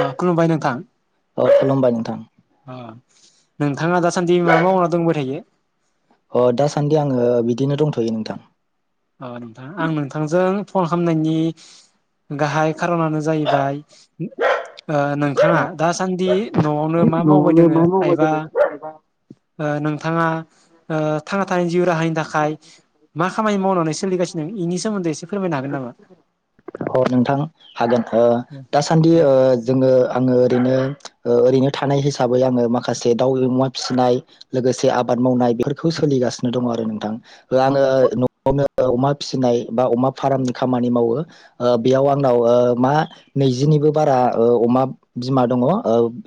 ओ‌ खुलुमबाय नोंथां अ खुलुमबाय नोंथां ओ नोंथाङा दासान्दि मा मावना दंबाय थायो। अ दासान्दि आङो बिदिनो दंथ'यो नोंथां अ नोंथां आं नोंथांजों फन खालामनायनि गाहाय खारनानो जाहैबाय ओ नोंथाङा दासान्दि न'आवनो मा मावबाय न'आवनो दोङो मा मावबाय आइबा दोङो एबा ओ नों थाङा ओ थाङा थाय जिउ राहनि थाखाय मा खामानि मावनानै सोलिगानों बेनि सोमोन्दै एसे फोरमायनो हागोन नामा? अ नोंथां हागोन ओ दासान्दि ओ जोङो आङो ओरैनो ओ ओरैनो थानाय हिसाबै आङो माखासे दाउ अमा फिसिनाय लोगोसे आबाद मावनाय बेफोरखौ सोलिगासिनो दङ आरो नोंथां आङो न'आवनो अमा फिसिनाय बा अमा फार्मनि खामानि मावो ओ बेयाव आंनाव ओ मा नैजिनिबो बारा ओ अमा बिमा दङ ओ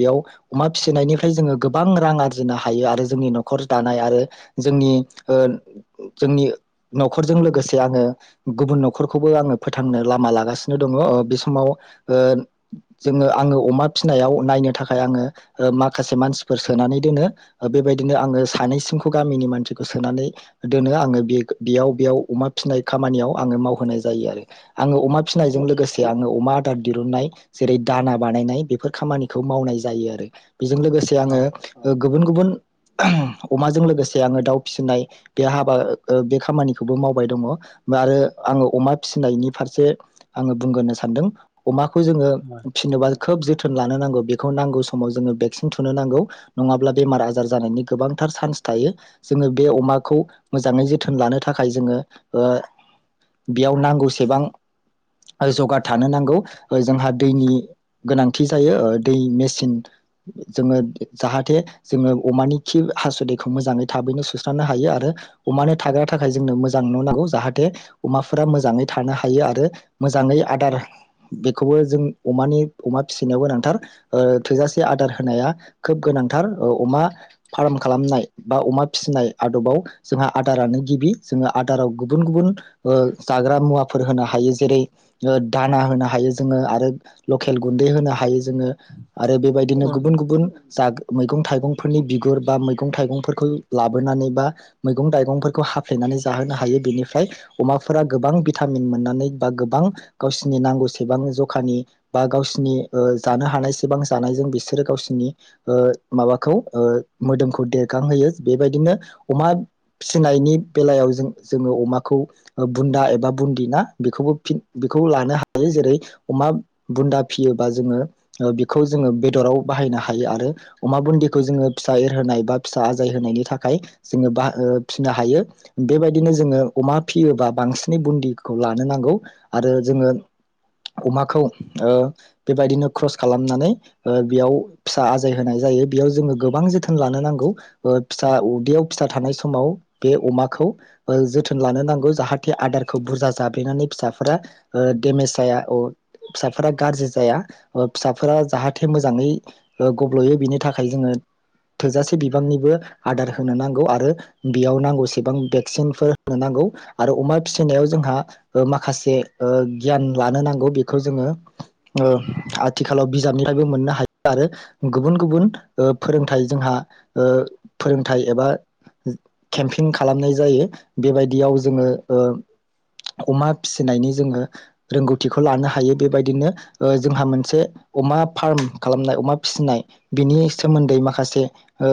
बेयाव अमा फिसिनायनिफ्राय जोङो गोबां रां आरजिनो हायो आरो जोंनि न'खर दानाय आरो जोंनि ओ जोंनि न'खरजों लोगोसे आङो गुबुन न'खरखौबो आङो फोथांनो लामा लागासिनो दङ ओ बे समाव ओ जोङो आङो अमा फिसिनायाव नायनो थाखाय आङो माखासे मानसिफोर सोनानै दोनो बेबायदिनो आङो सानैसिमखौ गामिनि मानसि सोनानै दोनो आङो बे-बेयाव-बेयाव अमा फिसिनाय खामानियाव आङो मावहोनाय जायो आरो आङो अमा फिसिनायजों लोगोसे आङो अमा आदार दिरुननाय जेरै दाना बानायनाय बेफोर खामानिखौ मावनाय जायो आरो बेजों लोगोसे अ आङो ओ गुबुन गुबुन अमाजों लोगोसे आङो दाउ फिसिनाय बे हाबा बे खामानिखौबो मावबाय दङ आरो आङो अमा फिसिनायनि फारसे आङो बुंग्रोनो सानदों अमा खौ जोङो अ फिसिनोबा खोब जोथोन लानो नांगौ बेखौ नांगौ समाव जोङो भेक्सिन थुनो नांगौ नङाब्ला बेमार आजार जानायनि गोबांथार चान्स थायो। जोङो बे अमाखौ मोजाङै जोथोन लानो थाखाय जोङो ओ बेयाव नांगौसेबां जगार थानो नांगौ जोंहा दैनि गोनांथि जायो दै मेसिन जोङो जाहाथे जोङो अमानि खि हासुदैखौ मोजाङै थाबैनो सुस्रांनो हायो आरो अमानो थाग्रा थाखाय जोंनो मोजां न' नांगौ जाहाथे अमाफोरा मोजाङै थानो हायो आरो मोजाङै आदार बेखौबो जों अमानि अमा फिसिनायाव गोनांथार ओ थोजासे आदार होनाया खोब गोनांथार अमा फार्म खालामनाय । बा अमा फिसिनाय आदबाव जोंहा आदारानो गिबि जोङो आदाराव गुबुन गुबुन ओ जाग्रा मुवाफोर होनो हायो जेरै दाना होनो हायो जोङो आरो लकेल गुन्दै होनो हायो जोङो। आरो बेबायदिनो अ गुबुन गुबुन जाग मैगं थाइगंफोरनि बिगुर बा मैगं थाइगंफोर लाबोनानै बा मैगं थाइगंफोरखौ हाफ्लेनानै जाहोनो हायो बेनिफ्राय अमाफोरा गोबां भिटामिन मोननानै बा गोबां गावसिरनि नांगौसेबां जखानि बा गावसिरनि जानो हानाय सेबां जानायजों बिसोरो गावसिरनि माबाखौ मोदोमखौ देरगांहोयो। बेबायदिनो अमा फिनायनि बेलायाव जों जोङो अमाखौ बुन्दा एबा बुन्दि ना बेखौबोि बेखौ लानो हायो जेरै अमा बुन्दा फिसियोबा जोङो बेखौ जोङो बेदराव बाहायनो हायो आरो अमा बुन्दिखौ जोङो फिसा एरहोनाय बा फिसा आजाय होनायनि थाखाय जोङो बा ओ फिसिनो हायो बेबायदिनो जोङो अमा फिसियोबा बांसिनै बुदिखौ लानो नांगौ आरो जोङो अमाखौ ओ बेबायदिनो क्रस खालामनानै ओ बेयाव फिसा आजाय होनाय जायो बेयाव जोङो गोबां जोथोन लानो नांगौ। ओ फिसा उदैयाव फिसा थानाय समाव बे अमाखौ ओ जोथोन लानो नांगौ जाहाथे आदारखौ बुरजा जाब्लेनानै फिसाखौ फिसा फोर ओ दडेमेज जाया अ फिसाफोरा गाज्रि जाया फिसाफोरा जाहाथे मोजाङै ओ गब्ल'यो बिनि थाखाय जोङो थोजासे बिबांनिबो आदार होनो नांगौ आरो बेयाव नांगौसेबां भेक्सिनफोर होनो नांगौ। आरो अमा फिसिनायाव जोंहा ओ माखासे ओ गियान लानो नांगौ बेखौ जोङो ओ आथिखालाव बिजाबनिफ्रायबो मोननो हायो आरो गुबुन गुबुन ओ फोरोंथाइ जोंहा ओ फोरोंथाइ एबा केम्पिं खालामनाय जायो बेबायदियाव जोङो अमा फिसिनायनि जोङो रोंगौथिखौ लानो हायो बेबायदिनो जोंहा मोनसे अमा फार्म खालामनाय अमा फिसिनाय बिनि सोमोन्दै माखासे ओ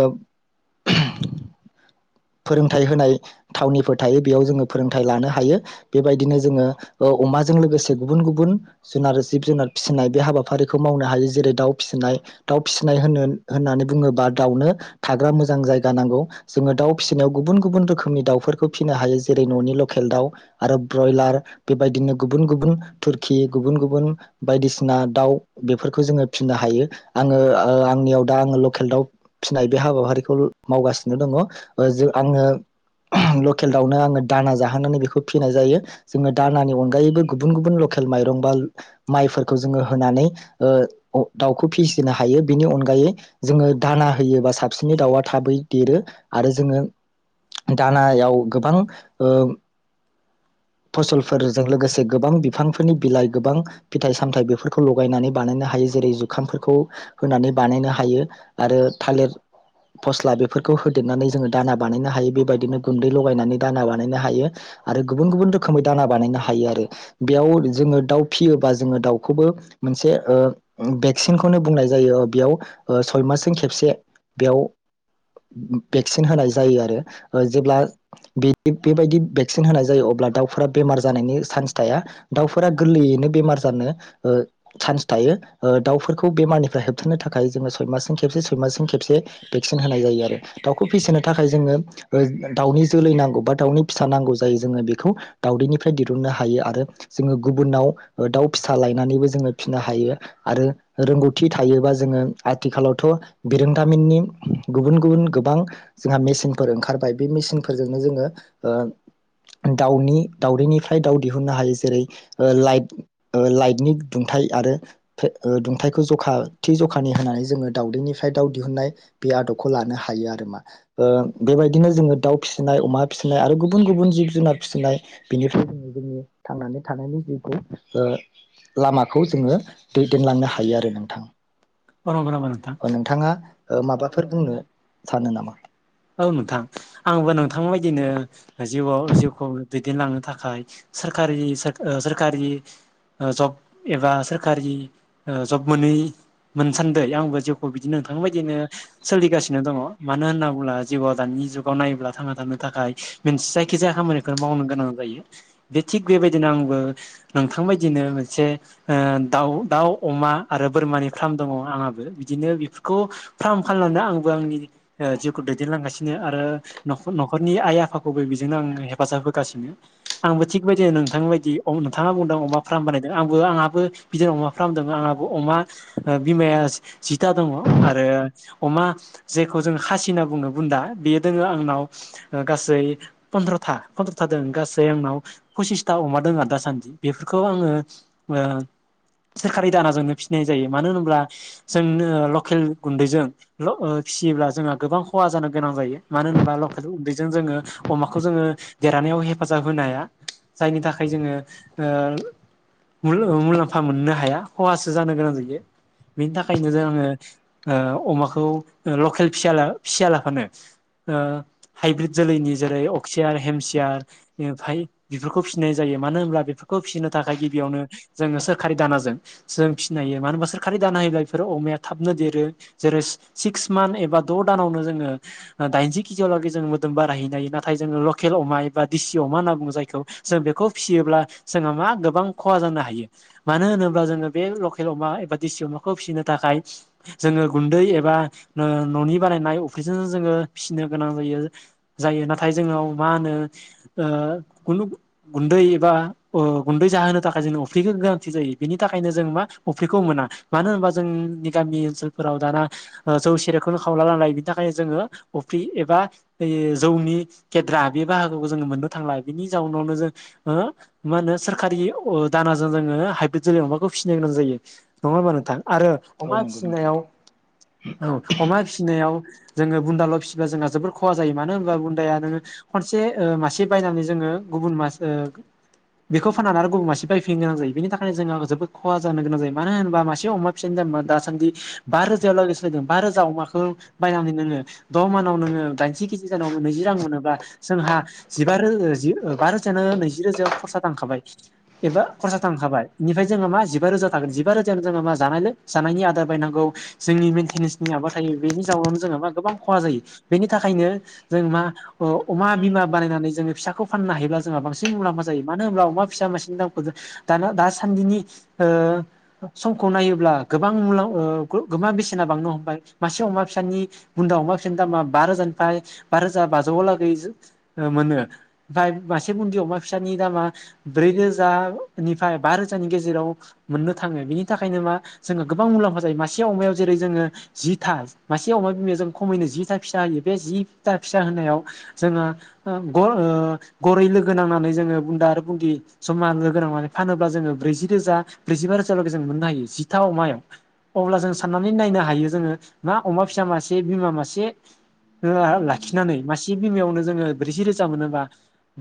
[unintelligible] फोरोंथाइ होनाय थावनिफोर थायो बेयाव जोङो फोरोंथायाइ लानो हायो बेबायदिनो जोङो ओ अमाजों लोगोसे गुबुन गुबुन जुनार जिब जुनार फिसिनाय बे हाबाफारिखौ मावनो हायो जेरै दाउ फिसिनाय दाउ फिसिनाय होनो होननानै बुङोबा दाउनो थाग्रा मोजां जायगा नांगौ जोङो दाउ। फिसिनायाव गुबुन गुबुन रोखोमनि दाउफोरखौ फिसिनो हायो जेरै न'नि लकेल दाउ आरो ब्रयलार बेबायदिनो गुबुन गुबुन थुरखि गुबुन गुबुन बायदिसिना दाउ बेफोरखौ जोङो फिसिनो हायो आङो आंनियाव दा आङो लकेल दाउ फिसिनाय बे हाबाफारिखौ मावगासिनो दङ। ओ जों आङो लकेल दाउनो आङो दाना जाहोनानै बेखौ फिसिनाय जायो जोङो दानानि अनगायैबो गुबुन गुबुन लकेल माइरं बा माइफोरखौ जोङो होनानै ओ दाउखौ फिसिनो हायो बेनि अनगायै जोङो दाना होयोबा साबसिननि दाउआ थाबै देरो आरो जोङो दानाव गोबां ओ फसलफोरजों लोगोसे गोबां बिफांफोरनि बिलाइ गोबां फिथाइ सामथायाइ बेफोरखौ लगायनानै बानायनो हायो जेरै जुखामफोरखौ होनानै बानायनो हायो आरो थालिर फस्ला बेफोरखौ हो देरनानै जोङो दाना बानायनो हायो बेबायदिनो गुन्दै लगायनानै दाना बानायनो हायो। भेक्सिन होनाय जायो आरो जेब्ला बिदि बेबायदि भेक्सिन होनाय जायो अब्ला दाउफोरा बेमार जानायनि सान्स थाया दाउफोरा गोरलैयैनो बेमार जानो ओ सान्स थायो ओ दाउफोरखौ बेमारनिफ्राय हेबथानो थाखाय जोङो सय मासजों खेबसे सय मासजों खेबसे भेक्सिन होनाय जायो आरो दाउखौ फिसिनो थाखाय जोंनो ओ दाउनि जोलै नांगौ बा दाउनि फिसा नांगौ जायो जोङो बेखौ दाउदैनिफ्राय दिरुननो हायो आरो जोङो गुबुनाव दाउ फिसा लायनानैबो जोङो फिसिनो हायो आरो रोंगौथि थायोबा जोङो आथिखालावथ' बिरोंदामिननि गुबुन गुबुन गो बां जोंहा मेसिनफोर ओंखारबाय बे मेसिनफोरजोंनो जोङो ओ दाउनि दाउदैनिफ्राय दाउ दिहुननो हायो। जेरै ओ लाइट ओ लाइटनि दुंथाइ आरो दुंथाइखौ जखा थि जखानि होनानै जोङो दावदैनिफ्राय दाउ दिहुननाय बे आदबखौ लानो हायो आ रो मा बेबायदिनो जोङो दाउ फिसिनाय अमा फिसिनाय आरो गुबुन गुबुन जिब जुनार फिसिनाय बेनिफ्राय जोङो जोंनि थांनानै थानायनि जिथु ओ लामाखौ जोङो दैदेनलांनो हायो आरो नोंथां। नंगौ नामा नोंथां? नोंथाङा ओ माबा फोर बुंनो सानो नामा? औ नोंथां आंबो नोंथां बायदिनो जिउआव जिउखौ दै देनलांनो थाखाय सोरखारि सा सोरखारि ओ जब एबा सोरखारि ओ जब मोनै मोनसान्दै आंबो जिउखौ बिदिनो नोंथां बायदिनो सोलिगासिनो दङ' मानो होनना बुंब्ला जिउआव दानि जुगाव नायोब्ला थांना थानो थाखाय मोनसे जायखिजाया खामानिखौ मावनो गोनां जायो। बे थिग बेबायदिनो आंबो नोंथां बायदिनो मोनसे ओ दाउ दाउ अमा आरो बोरमानि फ्राम दङ' आंहाबो। बिदिनो बेफोरखौ फ्राम खालामनानै आंबो आंनि जिउखौ दै देनलांगासिनो आरो न'ख न'खरनि आइ आफाखौबो बेजोंनो आं हेफाजाब होगासिनो। आंबो थिग बायदि नोंथां बायदि अ नोंथाङा बुंदों अमा फ्राम बानायदो आंबो आङाबो बिदिनो अमा फ्राम दोङो आङाबो अमा ओ बिमाया जिथा दङ' आरो अमा जेखौ जों खासि होनना बुंनो बुन्दा बेयो दोङो आंनाव ओ गासै फन्द्रथा । फन्द्रथा दोङो गासै आंनाव फसिसथा अमा दोङो आरो दासान्दि बेफोरखौ आङो ओ सोरखारि दानाजोंनो फिसिनाय जायो । मानो होनोब्ला जोंनो लकेल गुन्दैजों ल फिसियोब्ला जोंहा गोबां खहा जानो गोनां जायो ।मानो होनोबा लकेल गुन्दैजों जोङो अमाखौ जोङो देरहानायाव हेफाजाब होनो हाया। जायनि थाखाय जोङो ओ मुल -मुलाम्फा मोननो हाया खहासो जानो गोनां जायो ।बिनि थाखायनो जो आङो अमाखौ लकेल फिसा ला फिसिया लाफानो ओ हाइब्रिद जोलैनि जेरै अक्सियार हेमसियार इनिफाय बेफोरखौ फिसिनाय जायो मानो होनब्ला बेफोरखौ फिसिनो थाखाय गिबियावनो जोङो सोरखारि दानाजों जों फिसिनो हायो मानो होनबा सोरखारि दाना होयोब्ला बेफोरो अमाया थाबनो देरो जेरै सिक्स मान्थ एबा द' दानावनो जोङो दाइनजि केजिआव लागै मोदोम बारायहैनो हायो । नाथाय जोङो लकेल अमा एबा देसि अमा होनना बुङो जायखौ जों बेखौ फिसियोब्ला जोंहा मा गोबां खहा जानो हायो। मानो होनोबा जोङो बे लकेल अमा एबा देसि अमाखौ फिसिनो थाखाय जोङो गुन्दै एबा न' न'नि बानायनाय अफ्रिजोनो जोङो फिसिनो गोनां जायो जायो। नाथाय जोंनाव मा होनो ओ गुलु गुन्दै एबा अ गुन्दै जाहोनो थाखाय जोंनो अफ्रिखो गोनांथि जायो बेनि थाखायनो जों मा अफ्रिखौ मोना । मानो होनबा जोंनि गामि ओनसोलफोराव दाना ओ जौ सेरेबखो खावला नालाय बिनि थाखायनो जोङो अफ्रि एबा ओइ जौनि गेद्रा बे बाहागोखौ जोङो मोननो थांला बिनि जाउनावनो जों मा होनो सोरखारि दानाजों जोङो हाइब्रिद जोलै अमाखौ फिसिनो गोनां जायो नङा होमबा नोंथां। आरो औ अमा नंगौ नोंथां फिसिनायाव औ। फिसिनायाव जोङो बुन्दाल' फिसिबा जोंहा जोबोर खहा जायो। मानो होनबा बुन्दायानो खनसे ओ मासे बायनानै जोङो गुबुन मास ओ बेखौ फाननानै आरो गुबुन मासे बायफिन गोनां जायो। बेनि थाखाय जोंहाबो जोबोद खहा जायो होनोबा मासे अमा फिसानि दामा दासान्दि बा रोजा लागैसिम फायदों बा रो जा अमाखौ बायनानै नोंडो द' मानाव नोंङो दाइनजि केजि जानायाव नैजि रां मोनोब्ला जोंहा जिबा रो ओ जि ओ बा रोजायानो नैजि रोजायाव खरसा थांखाबाय एबा खरसा थांखाबाय। इनिफाय जोङो मा जिबा रोजा थागोन जिबा रोजायावनो जोङो मा जानायनि आदार बायनांगौ जोंनि [unintelligible] नि माबा थायो बेनि जाउनावनो जोङो मा गोबां खहा जायो। बेनि थाखायनो जों मा अमा बिमा बानायनानै जोङो फिसाखौ फाननो हायोब्ला जोंहा बांसिन मुलाम्फा जायो। मानो होनब्ला अमा फिसा मासेनि दामखौ जों दानो दासान्दिनि ओ समखौ नायोब्ला गोबां मुलाव ओ गो-गोमा बेसेना बांनो हम मासे अमा फिसानि बुन्दा अमा फिसानि दामा बा रोजानिफाय बा रोजा बाजौआलागै जो मोनो ओमफाय मासे बुन्दि अमा फिसानि दामा ब्रै रोजानिफ्राय बा रोजानि गेजेराव मोननो थाङो। बेनि थाखायनो मा जोङो गोबां मुलाम्फा जायो मासे अमायाव जेरै जोङो जिथा मासे अमा बिमायाव जोङो खमैनो जिथा फिसा होयो। बे जिथा फिसा होनायाव जोङो ओ ग ओ गरै लोगो नांनानै जोङो बुन्दा आरो बुन्दि जमा लोगो नांनानै फानोब्ला जोङो ब्रैजि रोजा ब्रैजिबा रोजा लागै जों मोननो हायो जिथा अमायाव। अब्ला जों साननानै नायनो हायो मा अमा फिसा मासे बिमा मासे ला- लाखिनानै मासे बिमायावनो जोङो ब्रैजि रोजा मोनोबा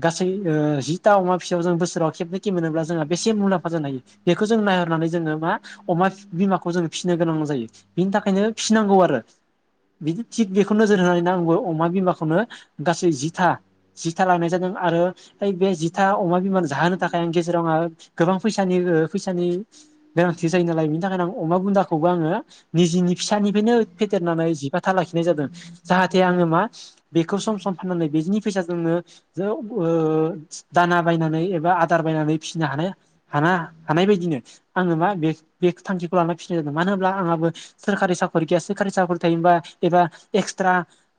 गासै ओ जिथा अमा फिसायाव जों बोसोराव खेबनै खे मोनोब्ला जोंहा बेसे मुलाम्फा जानो हायो बेखौ जों नायहरनानै जोङो मा अमा बिमाखौ जोङो फिसिनो गोनां जायो। बेनि था खायनो फिसिनांगौ आरो बिदि थिग बेखौ नोजोर होनानै आंबो अमा बिमाखौनो गासै जिथा जिथा लानाय जादों आरो ओइ बे जिथा अमा बिमानो जाहोनो थाखाय आं गेजेराव आंहा गोबां फैसानिबो फैसानि गोनांथि जायो नालाय बिनि थाखायनो आं अमा बुन्दाखौबो आङो निजेनि फिसानिफ्रायनो फेदेरनानै जिबाथा लाखिनाय जादों जाहाथे आङो मा बेखौ सम सम फाननानै बेदिनि फैसाजोंनो [unintelligible] दाना बायनानै एबा आदार बायनानै फिसिनो हानाय हाना हानाय बायदिनो आङो मा बे बे थांखिखौ लाना फिसिनाय जादों मानो होनब्ला आंहाबो सोरखारि साखरि गैया। सोरखारि साखरि थायोबा एबा एक्सट्रा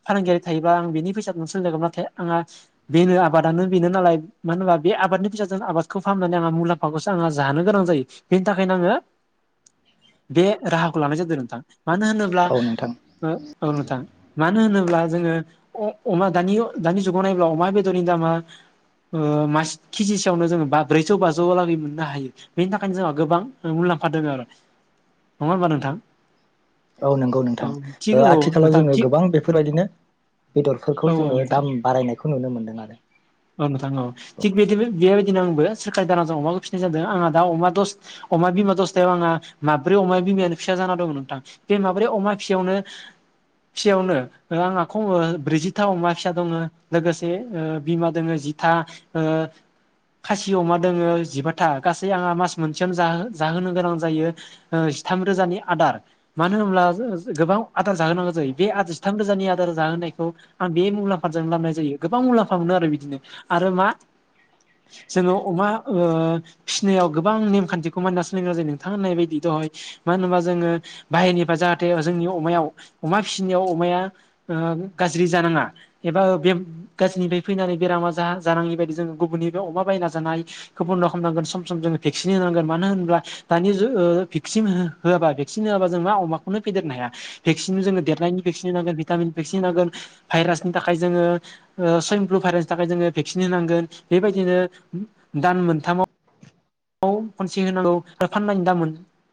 फालांगियारि थायोबा आं बेनि फैसाजों सोलिगोमोन। नाथाय आंहा बेनो आबादानो बेनो नालाय मानो होनबा बे आबादनि फैसाजों आबादखौ फाहामनानै आंहा मुलाम्फाखौसो आंहा जानो गोनां जायो। बेनि थाखायनो आङो बे राहाखौ लानाय जादों। मानो होनोब्ला औ नोंथां ओ औ नोंथां। मानो होनोब्ला जोङो अ-अमा दानि दानि जुगाव नायोब्ला अमा बेदरनि दामा ओ मास केजिसेयावनो जोङो बा ब्रैजौ बाजौ लागै मोननो हायो । बेनि थाखायनो जोंहा गोबां मुलाम्फा दोङो आरो । नङा होनबा नोंथां? औ नंगौ औ नोंथां थिग ओ औ आथिखालाव नोंथां जोङो थिग गोबां बेफोरबायदिनो औ बेदरफोरखौ औ जोङो नोंथां दाम बारायनायखौ नुनो मोनदों आरो दिन आंबो सोरखारि दाना जों अमाखौ फिसिनाय जादों। आंहा दा अमा दस अमा बिमा दसथायाव आंहा माब्रै अमा बिमायानो फिसा जाना दं नोंथां। बे माब्रै अमा फिसायावनो फिसायावनो आङा खमै ब्रैजिथा अमा फिसा दङो लोगोसे ओ बिमा दोङो जिथा। ओ खासि अमा दोङो जिबाथा । गासै आंहा मास मोनसेयावनो जाहो जाहोनो गोनां जायो ओ जिथाम रोजानि आदार मानो होनब्ला [unintelligible] गोबां आदार जाहोनांगौ जायो। बे आद जिथाम रोजानि आदार जाहोनायखौ आं बे मुलाम्फाजों लाबनाय जायो। गोबां मुलाम्फा मोनो आरो बिदिनो आरो मा? जोङो अमा ओ फिसिनायाव गोबां नेमखान्थिखौ मानिना सोलिनांगौ जायो। नोथां होननाय बायदि दहाय मानो होनोबा जोङो बाहेरनिफ्राय जाहाथे जोंनि अमायाव अमा फिसिनायाव अमाया ओ गाज्रि जानाङा एबा बे गाज्रिनिफ्राय फैनानै बेरामा जा जानाङि बायदि जोङो गुबुननिफ्राय अमा बायना जानायखौ बन्द' खामनांगोन सम सम जोङो भेक्सिन होनांगोन मानो होनोब्ला दानि जु ओ भेक्सिन हो होआबा भेक्सिन होआबा जों मा? अमाखौनो फेदेरनो हाया भेक्सिन जोङो देरनायनि भेक्सिन होनांगोन भिटामिन भेक्सिन होनांगोन भाइरासनि थाखाय जोङो ओ सयमफ्लु भाइरासनि थाखाय जोङो भेक्सिन होनांगोन बेबायदिनो दान मोनथामाव आव खनसे होनांगौ फाननायनि दाममोन